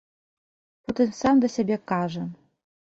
Потым сам да сябе кажа.